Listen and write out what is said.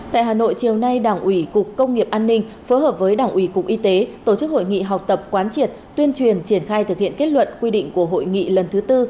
tại hà nội chiều nay đảng ủy cục công nghiệp an ninh phối hợp với đảng ủy cục y tế tổ chức hội nghị học tập quán triệt tuyên truyền triển khai thực hiện kết luận quy định của hội nghị lần thứ tư